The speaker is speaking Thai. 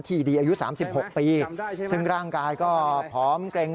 ดีอายุ๓๖ปีซึ่งร่างกายก็ผอมเกร็ง